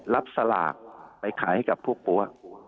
สลากไปขายให้กับพวกปั๊ว